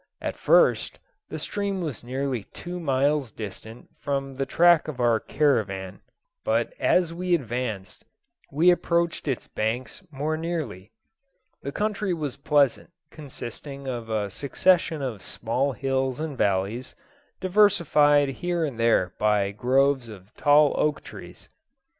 At first, the stream was nearly two miles distant from the track of our caravan, but as we advanced we approached its banks more nearly. The country was pleasant, consisting of a succession of small hills and valleys, diversified here and there by groves of tall oak trees.